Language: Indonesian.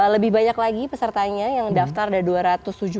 lebih banyak lagi pesertanya yang daftar ada dua ratus tujuh puluh